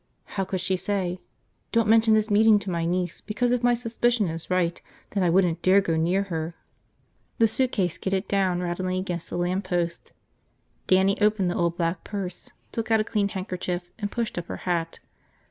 How could she say, don't mention this meeting to my niece because if my suspicion is right then I wouldn't dare go near her. ... The suitcase skidded down rattling against the lamppost. Dannie opened the old black purse, took out a clean handkerchief and pushed up her hat.